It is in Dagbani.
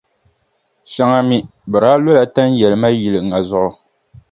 Shɛŋa mi, bɛ daa lola tanʼ yɛlima yili ŋa zuɣu.